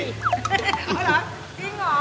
เอาเหรอจริงเหรอ